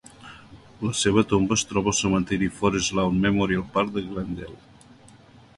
La seva tomba es troba al cementiri Forest Lawn Memorial Park de Glendale.